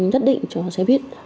nhất định cho xe buýt